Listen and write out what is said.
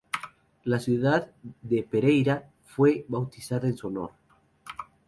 La ciudad de Pereira fue bautizada en su honor.